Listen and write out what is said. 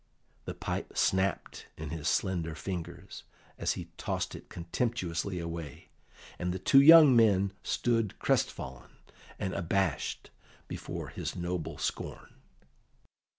The pipe snapped in his slender fingers, as he tossed it contemptuously away, and the two young men stood crestfallen and abashed before his noble scorn.